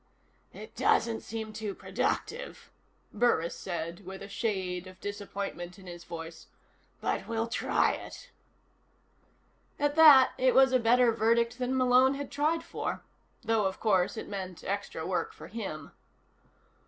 "It doesn't seem too productive," Burris said, with a shade of disappointment in his voice, "but we'll try it." At that, it was a better verdict than Malone had tried for. Though, of course, it meant extra work for him.